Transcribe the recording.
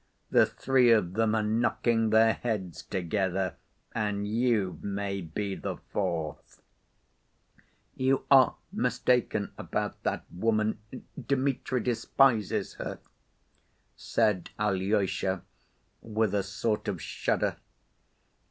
The three of them are knocking their heads together, and you may be the fourth." "You are mistaken about that woman. Dmitri—despises her," said Alyosha, with a sort of shudder.